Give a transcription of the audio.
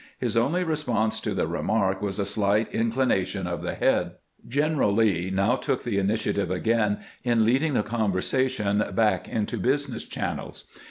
His only response to the remark was a slight inclination of the head. Q en eral Lee now took the initiative again in leading the conversation back into business channels.